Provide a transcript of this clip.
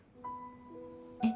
えっ。